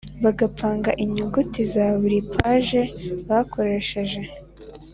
bagapanga inyuguti za buri paji bakoresheje